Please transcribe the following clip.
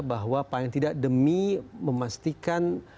bahwa apa yang tidak demi memastikan